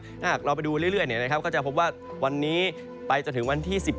ถ้าหากเราไปดูเรื่อยก็จะพบว่าวันนี้ไปจนถึงวันที่๑๗